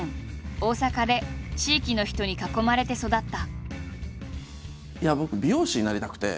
大阪で地域の人に囲まれて育った。